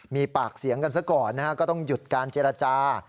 มีปากเสียงกันซะก่อนนะฮะก็ต้องหยุดการเจรจา